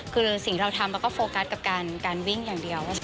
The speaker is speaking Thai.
คือสิ่งเราทำเราก็โฟกัสกับการวิ่งอย่างเดียว